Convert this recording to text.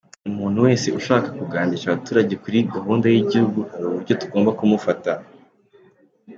Umuntu wese ushaka kugandisha abaturage kuri gahunda y’Igihugu hari uburyo tugomba kumufata.